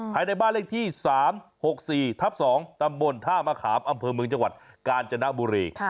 ภายในบ้านเลขที่๓๖๔ทับ๒ตำบลท่ามะขามอำเภอเมืองจังหวัดกาญจนบุรี